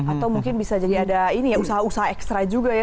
atau mungkin bisa jadi ada ini ya usaha usaha ekstra juga ya